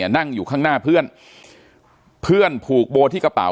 นั่งอยู่ข้างหน้าเพื่อนเพื่อนผูกโบที่กระเป๋า